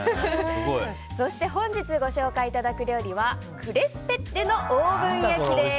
そして本日ご紹介いただく料理はクレスペッレのオーブン焼きです。